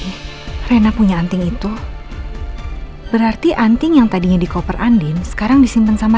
hai rena punya anting itu berarti anting yang tadinya di koper andin sekarang disimpan sama